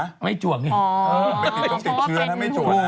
เพราะว่าเป็นฮุม